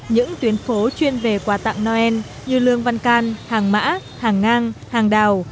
những tuyến phố chuyên về quà tặng noel như lương văn can hàng mã hàng ngang hàng đào